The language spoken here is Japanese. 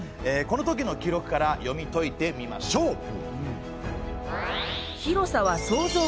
この時の記録から読み解いてみましょう。